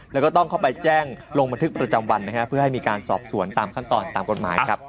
แล้วก็ต้องเข้าไปแจ้งลงบันทึกประจำวันนะฮะเพื่อให้มีการสอบสวนตามขั้นตอนตามกฎหมายครับ